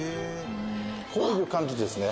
こういう感じですね。